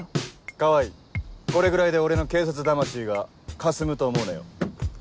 川合これぐらいで俺の警察魂がかすむと思うなよ。